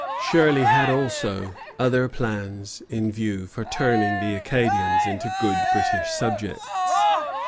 Shirley had also other plans in view for turning the Acadians into good British subjects.